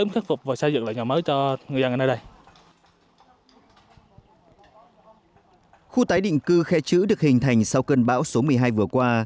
khu tái định cư khe chữ được hình thành sau cơn bão số một mươi hai vừa qua